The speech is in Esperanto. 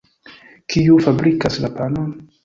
Kiu fabrikas la panon?